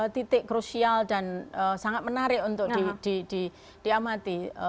titik krusial dan sangat menarik untuk diamati